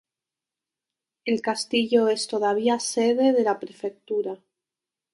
El castillo es todavía sede de la prefectura.